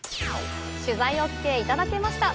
取材ＯＫいただけました！